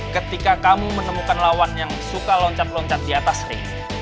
ketika kamu menemukan lawan yang suka loncat loncat di atas ring